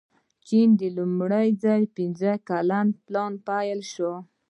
د چین لومړی پنځه کلن پلان پیل شو.